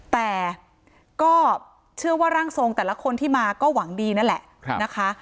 แต่ก็เชื่อว่าร่างทรงแต่ละคนที่มาก็หวังดีนั่นแหละนะคะ